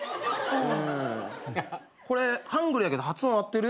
これハングルやけど発音合ってる？